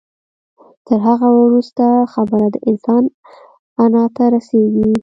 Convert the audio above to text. تر هغه وروسته خبره د انسان انا ته رسېږي.